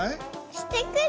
してくる。